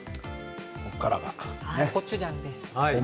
コチュジャンです。